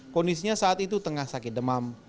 kondisinya saat itu tengah sakit demam